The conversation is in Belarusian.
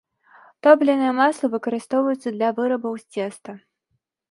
Топленае масла выкарыстоўваецца для вырабаў з цеста.